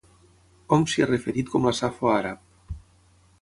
Hom s'hi ha referit com la Safo àrab.